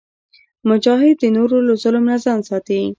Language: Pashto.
مجاهد د نورو له ظلم نه ځان ساتي.